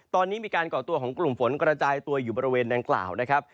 ตอนนี้มีการก่อตัวของกลุ่มฝนกระจายตัวอยู่บริเวณดังกล่าวนะครับ